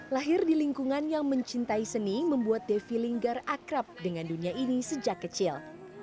lahir di lingkungan yang mencintai seni membuat devi linggar akrab dengan dunia ini sejak kecil